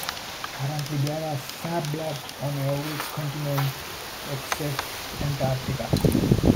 Currently there are Fab Labs on every continent except Antarctica.